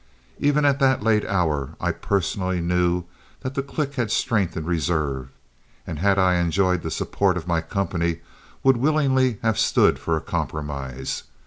Even at that late hour I personally knew that the clique had strength in reserve, and had I enjoyed the support of my company, would willingly have stood for a compromise.